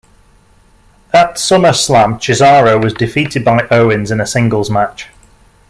At SummerSlam, Cesaro was defeated by Owens in a singles match.